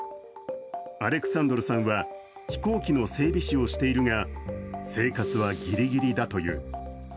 アレクサンドルさんは飛行機の整備士をしているが、生活はギリギリだという。